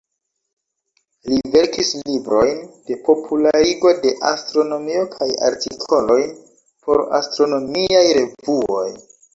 Li verkis librojn de popularigo de astronomio kaj artikolojn por astronomiaj revuoj.